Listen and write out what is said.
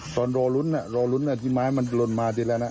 ตอนรอลุ้นที่ไม้มันลนมาทีแล้ว